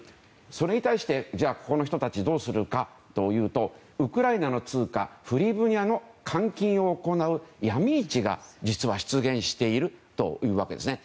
それに対して、ここの人たちどうするかというとウクライナの通貨フリブニャの換金を行うヤミ市が実は出現しているというわけですね。